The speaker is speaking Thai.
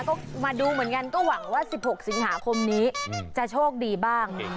ก็มาดูเหมือนกันก็หวังว่า๑๖สิงหาคมนี้จะโชคดีบ้าง